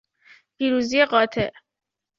پیروزی قاطع